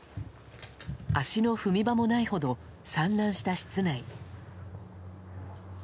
足の踏み場もないほど散乱した室内。